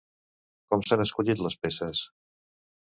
Com s'han escollit les peces?